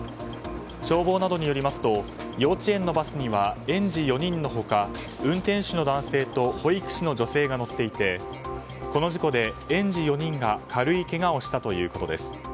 消防などによりますと幼稚園のバスには園児４人の他、運転手の男性と保育士の女性が乗っていてこの事故で園児４人が軽いけがをしたということです。